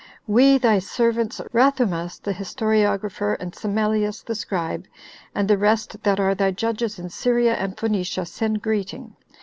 We thy servants, Rathumus the historiographer, and Semellius the scribe, and the rest that are thy judges in Syria and Phoenicia, send greeting.